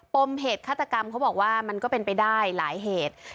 มเหตุฆาตกรรมเขาบอกว่ามันก็เป็นไปได้หลายเหตุ